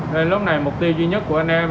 thì lúc này mục tiêu duy nhất của anh em